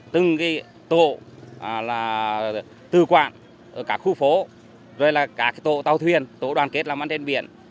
từng cái tổ là tư quản cả khu phố rồi là cả cái tổ tàu thuyền tổ đoàn kết làm ăn trên biển